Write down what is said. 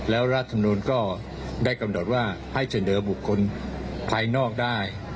แล้วรัฐมนุนก็ได้กำหนดว่าให้เสนอบุคคลภายนอกได้